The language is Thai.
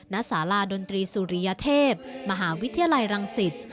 นักศาลาดนตรีสุริยเทพฯมหาวิทยาลัยรังศิษฐ์